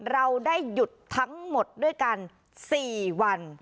เราได้หยุดทั้งหมดด้วยกัน๔วัน